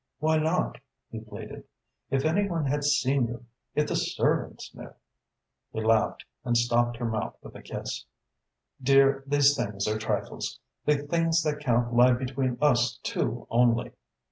"Why not?" he pleaded. "If any one had seen you if the servants knew!" He laughed and stopped her mouth with a kiss. "Dear, these things are trifles. The things that count lie between us two only.